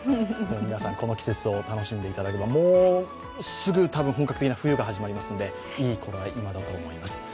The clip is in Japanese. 皆さんこの季節を楽しんでいただければもうすぐ、多分、本格的な冬が始まりますので、いい頃合いだと思います。